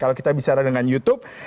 kalau kita bicara dengan youtube